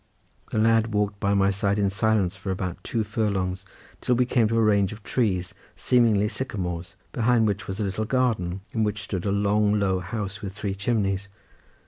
The lad walked by my side in silence for about two furlongs till we came to a range of trees, seemingly sycamores, behind which was a little garden, in which stood a long low house with three chimneys.